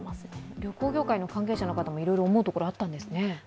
旅行業界の関係者の方もいろいろ思うところがあったんですね。